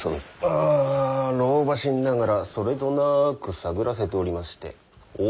あ老婆心ながらそれとなく探らせておりまして大坂周りを。